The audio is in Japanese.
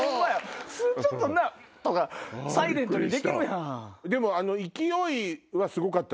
普通ちょっとなサイレントにできるやん。